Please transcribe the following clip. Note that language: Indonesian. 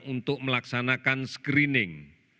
untuk melaksanakan screening